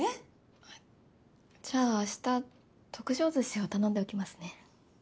あじゃあ明日特上寿司を頼んでおきますね。